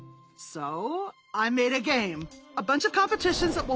そう。